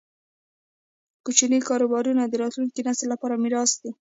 کوچني کاروبارونه د راتلونکي نسل لپاره میراث دی.